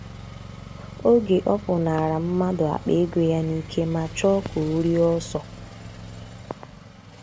oge ọ pụnaara mmadụ àkpà ego ya n'ike ma chọọ ka o rie oso.